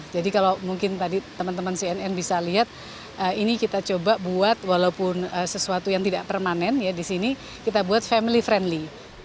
jadi kalau mungkin tadi teman teman cnn bisa lihat ini kita coba buat walaupun sesuatu yang tidak permanen ya di sini kita buat family friendly